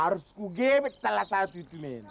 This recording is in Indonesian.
harus ku gemet telat telat ibu